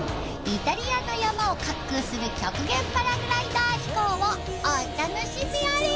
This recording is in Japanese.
イタリアの山を滑空する極限パラグライダー飛行をお楽しみあれ！